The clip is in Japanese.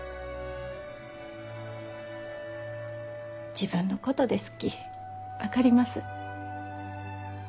自分のことですき分かります。